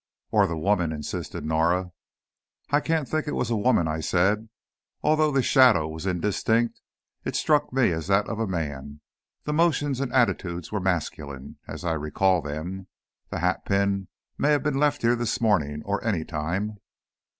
"Or the woman," insisted Norah. "I can't think it was a woman," I said. "Although the shadow was indistinct, it struck me as that of a man, the motions and attitudes were masculine, as I recall them. The hatpin may have been left here this morning or any time."